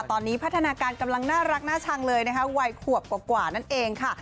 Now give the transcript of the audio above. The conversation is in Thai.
ตอนนี้พัฒนาการกำลังน่ารักน่าชังเลยนะคะวัยขวบกว่านั่นเองค่ะ